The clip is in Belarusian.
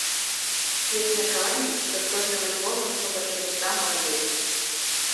Ёсць меркаванне, што з кожным альбомам слухачы гурта маладзеюць.